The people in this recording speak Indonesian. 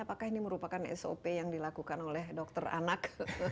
apakah ini merupakan sop yang dilakukan oleh dokter anak